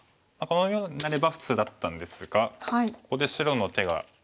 このようになれば普通だったんですがここで白の手が。